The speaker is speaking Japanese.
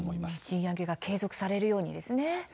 賃上げが継続されるようにということですね。